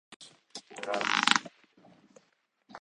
占い師なんて知らないし